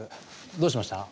どうしました？